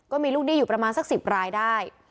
ก็มีลูกหนี้อยู่ประมาณสัก๑๐รายได้